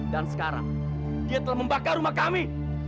dan sekarang dia telah membakar rumah kami